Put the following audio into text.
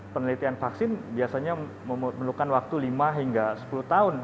penelitian vaksin biasanya memerlukan waktu lima hingga sepuluh tahun